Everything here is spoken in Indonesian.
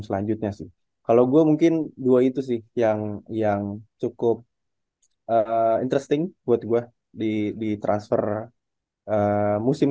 selanjutnya sih kalau gue mungkin dua itu sih yang yang cukup interesting buat gue di di transfer musim